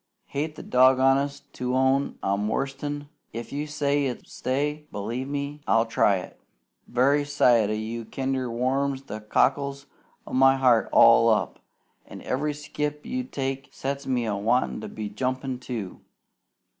Hate the doggondest to own I'm worsted, an' if you say it's stay, b'lieve I'll try it. Very sight o' you kinder warms the cockles o' my heart all up, an' every skip you take sets me a wantin' to be jumpin', too.